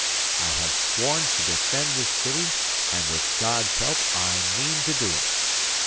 'I have sworn to defend this city, and with God's help, I MEAN TO DO IT!